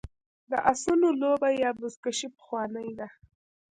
د اسونو لوبه یا بزکشي پخوانۍ ده